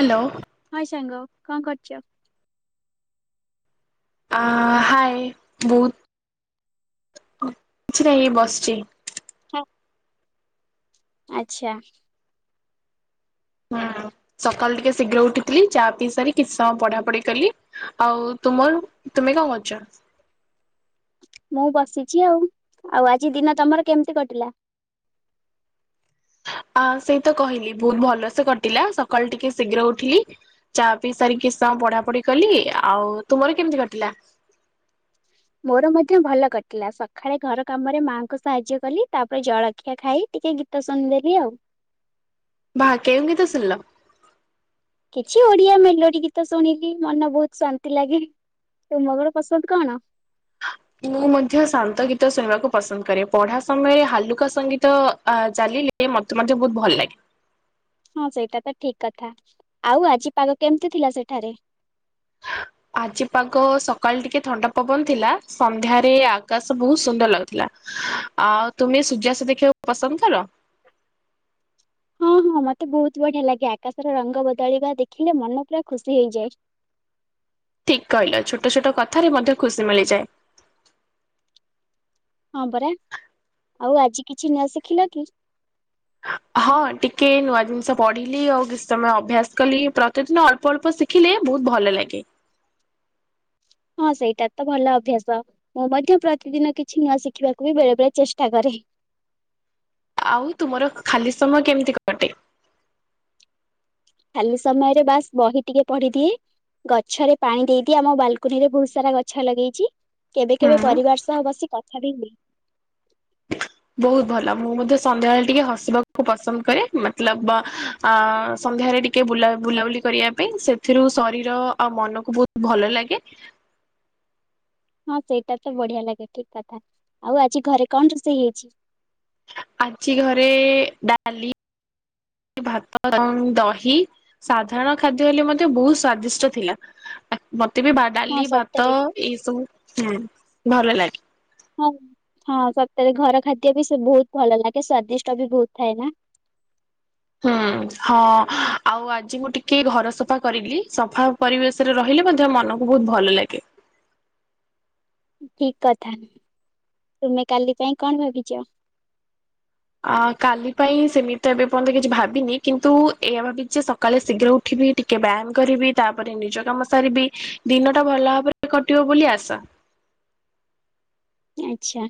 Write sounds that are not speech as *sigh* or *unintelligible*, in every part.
Hello. Hi ସାଙ୍ଗ କଣ କରୁଛ? ଆ ହାଏ ବହୁତ କିଛି ନାଇ ଏଇ ବସିଛି। ହଁ ଆଛା। ହୁଁ ସକାଳୁ ଟିକେ ଶୀଘ୍ର ଉଠିଥିଲି ଚା ପିଇ ସାରି କିଛି ସମୟ ପଢା ପଢି କଲି। ଆଉ ତୁମର ତୁମେ କଣ କରୁଛ। ମୁଁ ବସିଛି ଆଉ, ଆଉ ଆଜି ଦିନ ତମର କେମିତି କଟିଲା? ଆ ସେଇ ତ କହିଲି ବହୁତ ଭଲସେ କଟିଲା ସକାଳୁ ଟିକେ ଶୀଘ୍ର ଉଠିଲି। ଚା ପିଇ ସାରିକି କିଛି ସମୟ ପଢାପଢି କଲି ଆଉ ତୁମର କେମିତି କଟିଲା? ମୋର ମଧ୍ୟ ଭଲ କଟିଲା ସକାଳେ ଘର କାମରେ ମାଙ୍କୁ ସାହାଯ୍ୟ କଲି ତାପରେ ଜଳଖିଆ ଖାଇ ଟିକେ ଗି ଟିଉସନ୍ ଦେଲି ଆଉ। ବାଃ କେଉଁ ଗୀତ ଶୁଣିଲ? କିଛି ଓଡିଆ ମେଲୋଡି ଗୀତ ଶୁଣିକି ମନ ବହୁତ ଶାନ୍ତି ଲାଗେ। ତୁମଗର ପସନ୍ଦ କଣ? ମୁଁ ମଧ୍ୟ ଶାନ୍ତ ଗୀତ ଶୁଣିବାକୁ ପସନ୍ଦ କରେ ପଢା ସମୟେ ହାଲୁକା ସଙ୍ଗୀତ ଆ ଚାଲିଲେ ଏ ମତେ ମଧ୍ୟ ବହୁତ ଭଲ ଲାଗେ। ହଁ ସେଇଟା ତ ଠିକ୍ କଥା, ଆଉ ଆଜି ପାଗ କେମିତି ଥିଲା ସେଠାରେ? ଆଜିପାଗ ସକାଳେ ଟିକେ ଥଣ୍ଡା ପବନ ଥିଲା ସନ୍ଧ୍ୟାରେ ଆକାଶ ବହୁତ ସୁନ୍ଦର ଲାଗୁଥିଲା। ଆଉ ତୁମେ ସୂର୍ଯ୍ୟାସ୍ତ ଦେଖିବାକୁ ପସନ୍ଦ କର? ହଁ ହଁ ମତେ ବହୁତ ବଢିଆ ଲାଗେ ଆକାଶର ରଙ୍ଗ ବଦଳିବା ଦେଖିଲେ ମନ ପୁରା ଖୁସି ହେଇଯାଏ। ଠିକ୍ କହିଲ ଛୋଟ ଛୋଟ କଥାରେ ମଧ୍ୟ ଖୁସି ମିଳିଯାଏ। ହଁ ପରା ଆଉ ଆଜି କିଛି ନୂଆ ଶିଖିଲ କି? ହଁ ଟିକେ ନୂଆ ଜିନିଷ ପଢିଲି ଆଉ କିଛି ସମୟ ଅଭ୍ୟାସ କଲି ପ୍ରତିଦିନ ଅଳ୍ପ ଅଳ୍ପ ଶି ଖିଲେ ବହୁତ ଭଲ ଲାଗେ। ହଁ ସେଇଟା ତ ଭଲ ଅଭ୍ୟାସ। ମୁଁ ମଧ୍ୟ ପ୍ରତିଦିନ କିଛି ନୂଆ ଶିଖିବାକୁ ବି ବେଳେ ବେଳେ ଚେଷ୍ଟା କରେ। ଆଉ ତୁମର ଖାଲି ସମୟ କେମିତି କ ଖାଲି ସମୟରେ ବାସ୍ ବହି ଟିକେ ପଢିଦିଏ। ଗଛରେ ପାଣି ଦେଇଦିଏ ଆମ ବାଲକୁନି ରେ ବହୁତ ସାରା ଗଛ ଲଗେଇଛି। କେବେ କେବେ ହୁଁ ପରିବାର ସହ ବସି କଥା ବି ହୁଏ। ବହୁତ ଭଲ ମୁଁ ମଧ୍ୟ ସନ୍ଧ୍ୟାବେଳେ ଟିକେ ହସିବାକୁ ପସନ୍ଦ କରେ ମତଲବ ଆ ସନ୍ଧ୍ୟାରେ ଟିକେ ବୁଲା ବୁଲାବୁଲି କରିବା ପାଇଁ ସେଥିରୁ ଶରୀର ଆଉ ମନକୁ ବହୁତ ଭଲ ଲାଗେ। ହଁ ସେଇଟା ତ ବଢିଆ ଲାଗେ ଠିକ୍ କଥା ଆଉ ଆଜି ଘରେ କଣ ରୋଷେଇ ହେଇଛି? ଆଜି ଘରେ ଡାଲି ଭାତ ଏବଂ ଦହି ସାଧାରଣ ଖାଦ୍ୟ ହେଲେ ମଧ୍ୟ ବହୁତ ସ୍ଵାଦିଷ୍ଟ ଥିଲା। ମତେ ବି ଭା ହଁ ଡାଲି, ଭାତ ସତରେ ଏଇ ସବୁ ହୁଁ ଭଲ ଲାଗେ। ହଁ ସତେରେ ଘର ଖାଦ୍ୟ ବି ସେ ବହୁତ ଭଲ ଲାଗେ ସ୍ଵାଦିଷ୍ଟ ବି ବହୁତ ଥାଏ ନା! ହୁଁ ହଁ ଆଉ ଆଜି ମୁଁ ଟିକେ ଘର ସଫା କରିଲି, ସଫା ପରିବେଶରେ ରହିଲେ ମଧ୍ୟ ମନକୁ ବହୁତ ଭଲ ଲାଗେ। ଠିକ୍ କଥା, ତୁମେ କାଲି ପାଇଁ କଣ ଭାବିଛ? ଆ କାଲି ପାଇଁ ସେମିତି ତ ଏବେ ପର୍ଯ୍ୟନ୍ତ କିଛି ଭାବିନି କିନ୍ତୁ ଏଇଆ ଭାବିଚି ଯେ ସ କାଳେ ଶୀଘ୍ର ଉଠିବି, ଟିକେ ବ୍ୟାୟାମ କରିବି ତାପରେ ନିଜ କାମ ସାରିବି ଦିନ ଟା ଭଲ ଭାବରେ କଟିବ ବୋଲି ଆଶା। ଆଚ୍ଛା,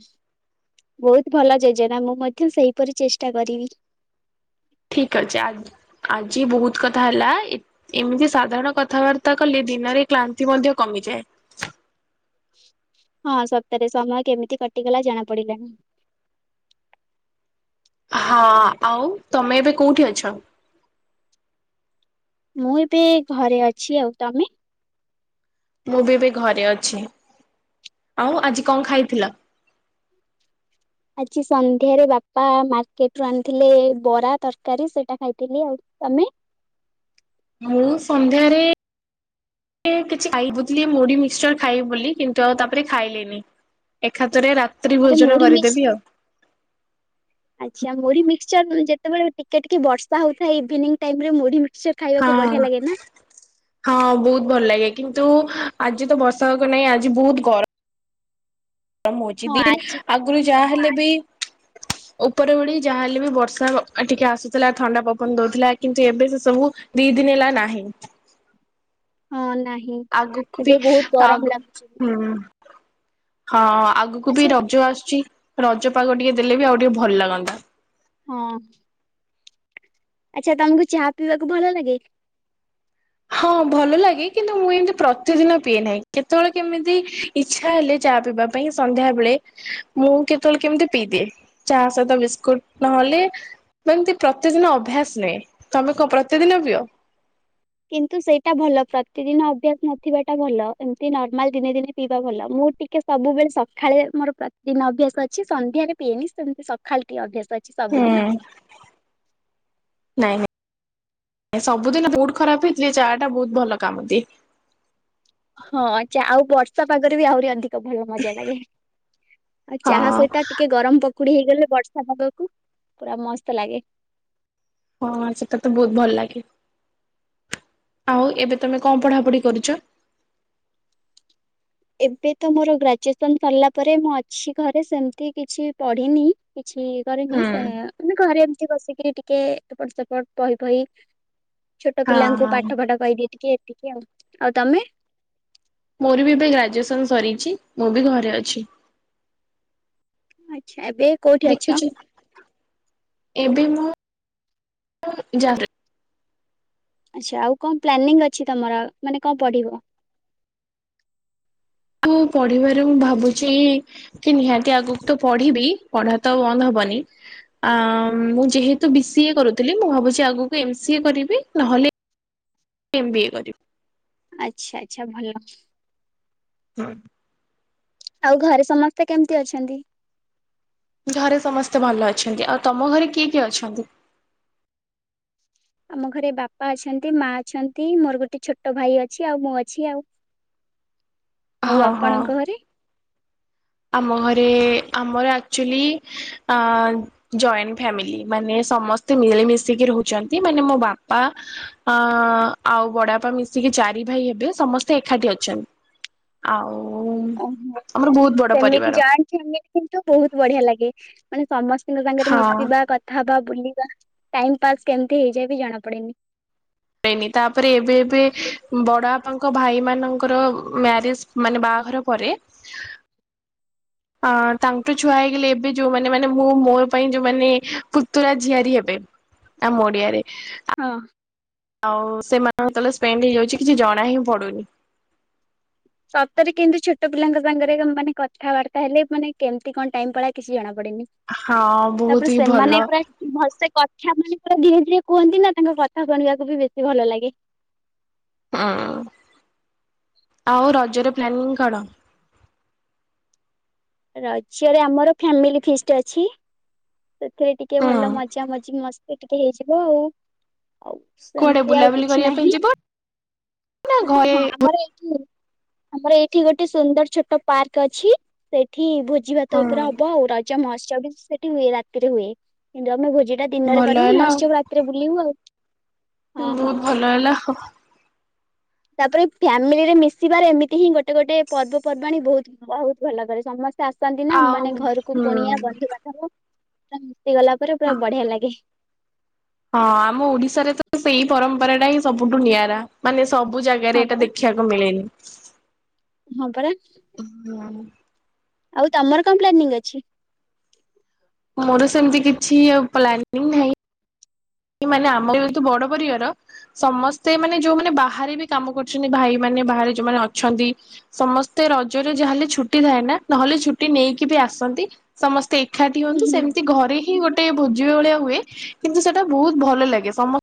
ବହୁତ ଭଲ ଯୋଜନା ମୁଁ ମଧ୍ୟ ସେଇପରି ଚେଷ୍ଟା କରିବି। ଠିକ୍ ଅଛି ଆଜ୍ ଆଜି ବହୁତ କଥା ହେଲା ଏ ଏମିତି ସାଧାରଣ କଥାବାର୍ ର୍ତ୍ତା କଲେ ଦିନରେ କ୍ଳାନ୍ତି ମଧ୍ୟ କମିଯାଏ। ହଁ ସତେରେ ସମୟ କେମିତି କଟିଗଲା ଜଣା ପଡିଲାନି। ହଁଅ ଆଉ ତମେ ଏବେ କୋଉଠି ଅଛ? ମୁଁ ଏବେ ଘରେ ଅଛି ଆଉ, ତମେ? ମୁଁ ବି ଏବେ ଘରେ ଅଛି। ଆଉ ଆଜି କଣ ଖାଇଥିଲ? ଆଜି ସନ୍ଧ୍ୟାରେ ବାପା ମାର୍କେଟରୁ ଆଣିଥିଲେ ବରା ତରକାରୀ ସେଇଟା ଖାଇଥିଲି ଆଉ। ତମେ? ମୁଁ ସନ୍ଧ୍ୟାରେ ଏ କିଛି ଖାଇ ବୁ ଥିଲି ମୁଢ଼ି ମିକ୍ସଚର ଖାଇବି ବୋଲି କିନ୍ତୁ ଆଉ ତାପରେ ଖାଇଲିନି। ଏଖାଥରେ ରା ଆରେ ମୁଢ଼ି ମିସ୍ ଆଚ୍ଛା ମୁଢ଼ି ମିକ୍ସଚର ଉମ୍ ଯେତବେଳେ ଟିକେ ଟିକେ ବର୍ଷା ହଉଥାଏ ଇଭିନିଂ ଟାଇମରେ ମୁଢ଼ି ମିକ୍ସଚର ହଁ। ଖାଇବାକୁ ବଢିଆ ଲାଗେ ନା? ହଁ ବହୁତ ଭଲ ଲାଗେ କିନ୍ତୁ ଆଜି ତ ବର୍ଷା ପାଗ ନାହିଁ ଆଜି ବହୁତ ଗର ତ ମୁଁ ହଁ ଯିବି ଆଜି ଆଗରୁ ବହୁତ ଗରମ ଯାହେଲେ ବି ଉପର ଓଳି ଯାହାହେଲେ ବି ବର୍ଷା ଟିକେ ଆସୁଥିଲା ଥଣ୍ଡା ପବନ ଦଉଥିଲା। କିନ୍ତୁ ଏବେ ସେ ସବୁ ଦି ଦିନ ହେଲା ନାହିଁ। ହଁ ନାହିଁ। ଆଗକୁ ବି ଏବେ ବହୁତ ଆଗ୍ ଗରମ ଲାଗୁଛି। ହୁଁ-ହୁଁ। ହଁଅ ଆଗକୁ ବି ଆଚ୍ଛା ରଜ ଆସୁଛି। ରଜ ପାଗ ଟିକେ ଦେଲେ ବି ଆଉ ଟିକେ ଭଲ ଲାଗନ୍ତା। ହଁ। ଆଚ୍ଛା ତମକୁ ଚାହା ପିଇବାକୁ ଭଲ ଲାଗେ? ହଁ ଭଲ ଲାଗେ କିନ୍ତୁ ମୁଁ ଏମିତି ପ୍ରତିଦିନ ପିଏ ନାହିଁ କେତେବେଳେ କେମିତି ଇଚ୍ଛା ହେଲେ ଚାହା ପିଇବା। ପାଇଁ ସନ୍ଧ୍ୟା ବେଳେ ମୁଁ କେତେବେଳେ କେମିତି ପିଇଦିଏ। ଚାହା ସହିତ ବିସ୍କୁଟ ନହେଲେ ଯେମିତି ପ୍ରତିଦିନ ଅଭ୍ୟାସ ନାହିଁ, ତମେ କଣ ପ୍ରତିଦିନ ପିଅ? କିନ୍ତୁ ସେଇଟା ଭଲ ପ୍ରତିଦିନ ଅଭ୍ୟାସ ନଥିବାଟା ଭଲ ଏମିତି ନର୍ମାଲ ଦିନେ ଦିନେ ପିଇବା ଭଲ ମୁଁ ଟିକ୍ କେ, ସବୁବେଳେ ସଖାଳେ ମୋର ପ୍ରତିଦିନ ଅଭ୍ୟାସ ଅଛି ସନ୍ଧ୍ୟାରେ ପିଏନି ସେମିତି ସକ୍ ଖାଲି ଟିକେ ଅଭ୍ୟାସ ଅଛି ହୁଁ ସବୁଦିନ। ନାଇଁ ନାଇଁ, ସବୁଦିନ ମୁଡ୍ ଖରାପ ହେଇଥିଲେ ଚାଆଟା ବହୁତ ଭଲ କାମଦିଏ। ହଁ ଚାଆ, ଆଉ ବର୍ଷା ପାଗରେ ବି ଆହୁରି ଅଧିକ୍। ତ ଭଲ ମଜା ଲାଗେ ଆଉ ଚାହା ହଁ ସହିତ ଟିକେ ଗରମ ପକ୍ କୁଡି ହେଇଗଲେ ବର୍ଷା ପାଗକୁ ପୁରା ମସ୍ତ ଲାଗେ। ହଁ ସେଟା ତ ବହୁତ ଭଲ ଲାଗେ। ଆଉ ଏବେ ତମେ କଣ ପଢାପଢି କରୁଚ? ଏବେ ତ ମୋର ଗ୍ରାଜୁଏସନ୍ ସରିଲା ପରେ ମୁଁ ଅଛି ଘରେ ସେମିତି କିଛି ପଢିନି କିଛି କରିନି ହୁଁ ସେ ମାନେ ଘରେ ଏମିତି ବସିକି ଟିକେ ଏପଟ ସେପଟ ବହି ଫହି ଛୋଟ ହଁ ପିଲାଙ୍କୁ ହଁ ପାଠ ଫାଠ କହିଦିଏ ଟିକେ ଏତିକି ଆଉ ଆଉ ତମେ? ମୋର ବି ଏବେ ଗ୍ରାଜୁଏସନ୍ ସରିଛି ମୁଁ ବି ଘରେ ଅଛି। ଆଚ୍ଛା ଏବେ? କୋଉଠି ଅଛ? ଦେଖୁଚି ଏବେ ମୁଁ ଜା ଗା ଆଚ୍ଛା ଆଉ କଣ ପ୍ଲାନିଂ ଅଛି ତମର ମାନେ କଣ ପଢିବ? ତ ପଢିବାରେ ମୁଁ ଭାବୁଚି କି ନିହାତି ଆଗକୁ ତ ପଢିବି ପଢା ତ ଆଉ ବନ୍ଦ ହବନି। ଆ ମୁଁ ଯେହେତୁ ବି ସିଏ କରୁଥିଲି ମୁଁ ଭାବୁଚି ଆଗକୁ ଏମ ସିଏ କରିବି ନହେଲେ ଏମ୍ ବି ଏ କରିବୁ ଆଚ୍ଛା ଆଚ୍ଛା ଭଲ। ହୁଁ। ଆଉ ଘରେ ସମସ୍ତେ କେମିତି ଅଛନ୍ତି? ଘରେ ସମସ୍ତେ ଭଲ ଅଛନ୍ତି ଆଉ ତମ ଘରେ କିଏ କିଏ ଅଛନ୍ତି? ଆମ ଘରେ ବାପା ଅଛନ୍ତି ମା ଅଛନ୍ତି ମୋର ଗୋଟେ ଛୋଟ ଭାଇ ଅଛି ଆଉ ମୁଁ ଅଛି ଆଉ। *inaudible* ଆଉ ହଁ ହଁ ଆପଣଙ୍କ ଘରେ? ଆମ ଘରେ ଆମର ଆକ୍ଚୁଆଲି ଆ ଜଏଣ୍ଟ ଫାମିଲି ମାନେ ସମସ୍ତେ ମିଳିମଶିକି ରହୁଛନ୍ତି ମାନେ ମୋ ବାପା ଅ ଆଉ ବଡାପା ମିଶିକି ଚାରି ଭାଇ ହେବେ ସମସ୍ତେ ଏକାଠି ଅଛନ୍ତି। ଆଉ ଓହୋ ଆମର ବହୁତ ବଡ ସେମିତି ପରିବାର ଜଏଣ୍ଟ ଫ୍ୟାମିଲି କିନ୍ତୁ ବହୁତ ବଢିଆ ଲାଗେ ମାନେ ସମସ୍ତଙ୍କ ସାଙ୍ଗରେ ହଁ ମିଶିବା କ କଥା ହବା ବୁଲିଵା ଟାଇମ ପାସ୍ କେମିତି ହେଇଯାଏ ବି ଜଣା ପଡେନି। ହେଇନି ତାପରେ ଏବେ ଏବେ ବଡ ବାପାଙ୍କ ଭାଇ ମାନଙ୍କର ମ୍ୟାରେଜେ। ମାନେ ବାହାଘର ପରେ। ଅ ତାଙ୍କ ଛୁଆ ହେଇଗଲେ ଏବେ ଯୋଉମାନେ ମାନେ ମୁଁ ମୋ ପାଇଁ ଯୋଉମାନେ ପୁତୁରା ଝିଆରି ହେବେ। ଆ ଓଡିଆରେ। ହଁ। ଆଉ ସେମାନ ହେତଳେ ସ୍ପେଣ୍ଡ ହେଇଯାଉଚି କିଛି ଜଣା ହିଁ ପଡୁନି। ସତରେ କେନ୍ତୁ ଛୋଟ ପିଲାଙ୍କ ସାଙ୍ଗରେ ମାନେ କଥାବାର୍ତ୍ତା ହେଲେ ମାନେ କେମିତି କଣ ଟାଇମ ପଳଏ କିଛି ଜଣା ପଡନି। ହଁ ବହୁତ ତାପରେ ହିଁ ଭଲ ସେମାନେ ପୁରା ଭଲସେ କଥା ମାନେ ପୁରା ଧୀରେ ଧୀରେ କୁହନ୍ତି ନା ତାଙ୍କ କଥା ଶୁଣିବାକୁ ବି ବେଶୀ ଭଲ ଲାଗେ। ହଁ ଉଁ ଆଉ ରଜର ପ୍ଲାନିଂ କଣ? ରଜରେ ଆମର ଫାମିଲି ଫିଷ୍ଟ ଅଛି ସେଥିରେ ଟିକେ ହୁଁ ଭଲ ମଜା ମଜି ମସ୍ତ୍ ତେ ଟିକେ ହେଇଯିବ ଆଉ କୁଆଡେ ସେମିତି ଆଉ ବୁଲାବୁଲି କିଛି କରିବା ପାଇଁ ନାହିଁ। ଯିବ ନା ହଁ ଘରେ ହଁ ଆମର ଏଇଠି ଆମର ଏଇଠି ଗୋଟେ ସୁନ୍ଦର ଛୋଟ ପାର୍କ ଅଛି ସେଇଠି ଭୋଜି ଭାତ ହୁଁ ଉପରେ ହବ ଆଉ ରଇ ରଜ ମହୋତ୍ସୋବ ବି ସେଠି ହୁଏ ରାତିରେ ହୁଏ କିନ୍ତୁ ଆମେ ଭୋଜି ଟା ଦିନରେ ଭଲ କରିବୁ ହେଲା ଆଉ। ମହୋତ୍ସବ ରାତିରେ ବୁଲିବୁ ଆଉ ହଁ ହଁ। ଲା ଲାଖ। ତାପରେ ଫ୍ୟାମିଲି ରେ ମିଶିବାରେ ଏମିତି ହିଁ ଗୋଟେ ଗୋଟେ ପର୍ବପର୍ବାଣି ବୋହୁତ୍ ବହୁତ୍ ଭଲ କରେ ସମସ୍ତେ। ଆସନ୍ତି ନା ଆଉ ମାନେ ଘରକୁ ହୁଁ କୁଣିଆ ବନ୍ଧୁବାଧବ ପା ମିଶିଗଲା ପରେ ପୁରା ବଢିଆ ଲାଗେ। ହଁ ଆମ ଓଡିଶାରେ ତ ସେଇ ପରମ୍ପରା ଟା ହିଁ ସବୁଠୁ ନିଆରା ମାନେ ସବୁ ହଁ ଜାଗାରେ ଏଇଟା ପରା ଦେଖି ବାକୁ ମିଳେନି। ହଁ ପରା। ହୁଁ। ଆଉ ତମର କଣ ପ୍ଲାନିଂ ଅଛି? ମୋର ସେମିତି କିଛି ପ୍ଲାନିଂ ନାହିଁ। ମାନେ ଆମର ଯେହେତୁ ବଡ ପରିବାର। ସମସ୍ତେ ମାନେ ଯୋଉମାନେ ବାହାରେ ବି କାମ କରୁଚନ୍ତି ଭାଇ ମାନ ବାହାରେ ଯୋଉମାନେ ଅଛନ୍ତି। ସମସ୍ତେ ରଜରେ ଯାହେଲେ ଛୁଟି ଥାଏ ନା ନହେଲେ ଛୁଟି ନେଇକି ବି ଆସନ୍ତି ସମସ୍ତେ ଏକାଠି ହୁଅନ୍ତୁ ସେମିତି ଘରେ ହିଁ ଗୋଟେ ଭୋଜି ଭଳିଆ ହୁଏ କିନ୍ତୁ ସେଟା ବହୁତ ଭଲ ଲାଗେ। ସମସ୍ତେ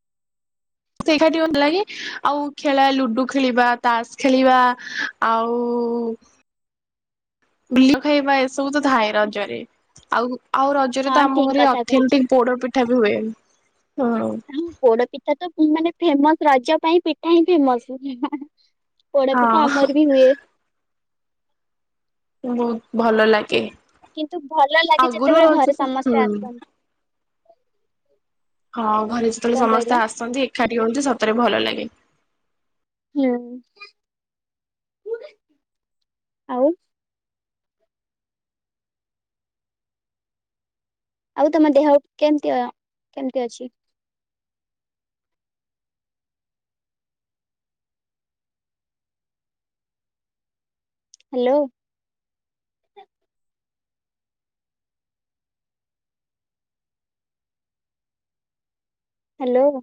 ସମସ୍ତେ ଏକାଠି ହୁଅନ୍ତି ଭଲ ଲାଗେ ଆଉ ଖେଳାଏ ଲୁଡୁ ଖେଳିବା ତାସ ଖେଳିବା ଆଉ *unintelligible* ଖାଇବା ଏସବୁ ତ ଥାଏ ରଜରେ। ଆଉ ଆଉ ରଜରେ ହଁ ତ ଆମ ଠିକ ଘରେ କଥା କହିଛ ଅଥେଣ୍ଟିକ ପୋଡର ପିଠା ବି ହୁଏ। ହଁ ପୋଡ ପିଠା ତ ମାନେ ଫେମସ ରଜ ପାଇଁ ପିଠା ହିଁ ଫେମସ। ପୋଡାପିଠା ହଁ। ଆମର ବି ହୁଏ। ବହୁତ ଭଲ ଲାଗେ। କିନ୍ତୁ ଭଲ ଲାଗେ ଆଗରୁ ଯେତେବେଳେ ରହୁଛି ଘରେ ହୁଁ ସମସ୍ତେ ଆସନ୍ତି। ହଁ ଘରେ ଯେତେବେଳେ କଣ ସମସ୍ତେ କହିଲ ଆସନ୍ତି ଏକାଠି ହୁଅନ୍ତି ସତରେ ଭଲ ଲାଗେ। ହୁଁ ଆଉ ଆଉ ତମ ଦେହ କେମିତି ଅ କେମତି ଅଛି? ହ୍ୟାଲୋ। ହ୍ୟାଲୋ।